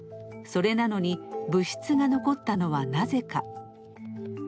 それなのに物質が残ったのはなぜか。